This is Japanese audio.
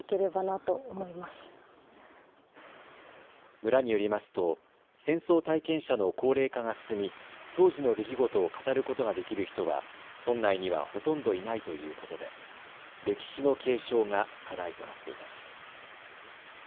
村によりますと戦争体験者の高齢化が進み当時の出来事を語ることができる人は村内にはほとんどいないということで歴史の継承が課題となっています。